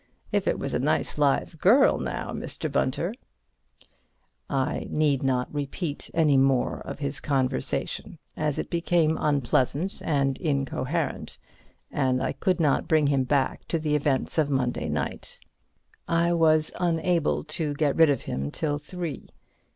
If it was a nice live girl, now, Mr. Bunter— I need not repeat any more of his conversation, as it became unpleasant and incoherent, and I could not bring him back to the events of Monday night. I was unable to get rid of him till three.